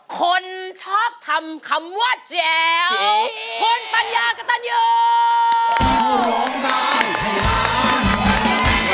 คนชอบทำคำว่าแจ๋ว